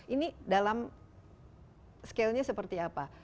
ini dalam scalenya seperti apa